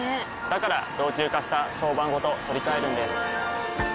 から老朽化した床版ごと取り替えるんです。